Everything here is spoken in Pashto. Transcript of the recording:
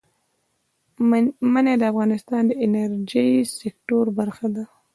منی د افغانستان د انرژۍ سکتور برخه ده.